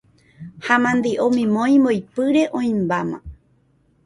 ha amandi'o mimói mbo'ipyre oĩmbáma.